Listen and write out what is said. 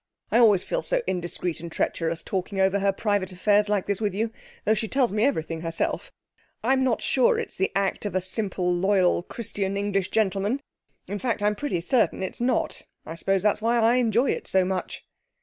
'I always feel so indiscreet and treacherous talking over her private affairs like this with you, though she tells me everything herself. I'm not sure it's the act of a simple, loyal, Christian English gentleman; in fact, I'm pretty certain it's not. I suppose that's why I enjoy it so much.'